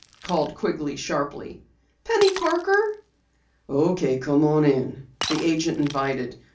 called Quigley sharply. "Penny Parker." "Okay, come on in," the agent invited.